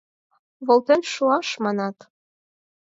— Волтен шуаш, манат?